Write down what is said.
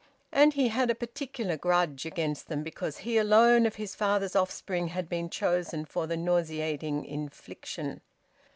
And he had a particular grudge against them because he alone of his father's offspring had been chosen for the nauseating infliction.